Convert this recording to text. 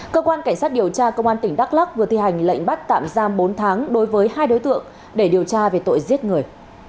cơ quan cảnh sát điều tra công an tỉnh đắk lắc vừa thi hành lệnh bắt tạm giam bốn tháng đối với hai đối tượng để điều tra về tội giết người